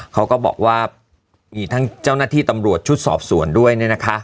เขาก็บอกว่ามีทั้งเจ้าหน้าที่ตำรวจชุดสอบสวนด้วย